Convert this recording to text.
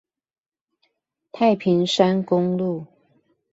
太平山公路